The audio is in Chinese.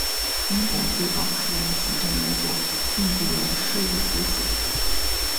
英国最高法院的行政工作并不由事务局负责。